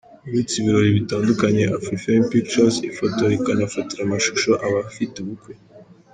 Uretse ibirori bitandukanye, Afrifame Pictures ifotora ikanafatira amashusho abafite ubukwe.